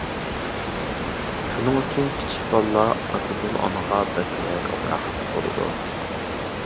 شۇنىڭ ئۈچۈن كىچىك بالىلار ئاتىدىن ئانىغا بەكرەك ئامراق بولىدۇ.